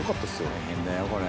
大変だよこれ。